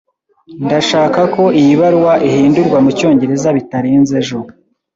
Ndashaka ko iyi baruwa ihindurwa mucyongereza bitarenze ejo.